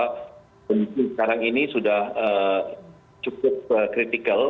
mungkin sekarang ini sudah cukup kritikal